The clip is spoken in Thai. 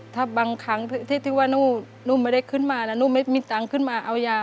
ถ้าบางครั้งที่ว่าหนูไม่ได้ขึ้นมาแล้วหนูไม่มีตังค์ขึ้นมาเอายา